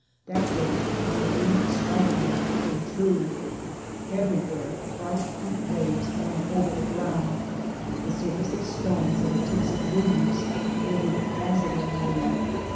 That day my dream strikingly came true. Everywhere bright heat waves ran over the ground. The surface of stones and the tips of leaves glittered daz zlingly.